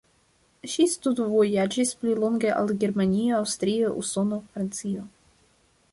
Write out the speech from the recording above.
Ŝi studvojaĝis pli longe al Germanio, Aŭstrio, Usono, Francio.